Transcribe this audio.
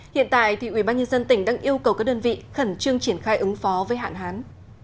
hiện tại ubnd tỉnh đang yêu cầu các đơn vị khẩn trương triển khai ứng phó với hạn hán